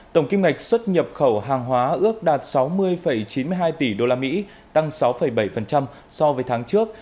tổng kim ngạch xuất nhập khẩu hàng hóa ước đạt sáu mươi chín mươi hai tỷ usd tăng sáu bảy so với tháng trước